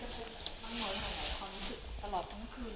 ความรู้สึกตลอดทั้งคืนเลย